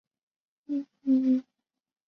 治所即元上都。